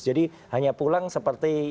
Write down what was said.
jadi hanya pulang seperti ya